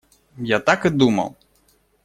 Я так и думал!